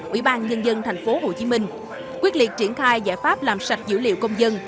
ủy ban nhân dân tp hcm quyết liệt triển khai giải pháp làm sạch dữ liệu công dân